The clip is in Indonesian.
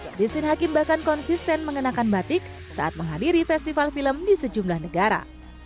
christine hakim bahkan konsisten mengenakan batik saat menghadiri festival film di sejumlah negara